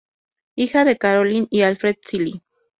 Hija de Caroline y Alfred Seeley.